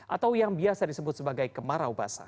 atau yang biasa disebut sebagai kemarau basah